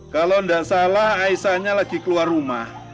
kalau tidak salah aisyahnya lagi keluar rumah